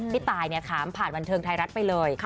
พี่ตายเนี่ยค่ะมาผ่านวันเทิงไทยรัฐไปเลย